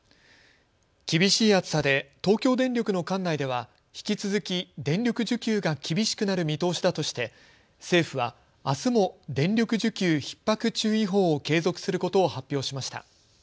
厳しい暑さで東京電力の管内では引き続き電力需給が厳しくなる見通しだとして政府はあすも電力需給ひっ迫注意報を継続することを発表しました。